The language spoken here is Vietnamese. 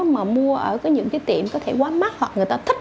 mà mua ở những cái tiệm có thể quá mắc hoặc người ta thích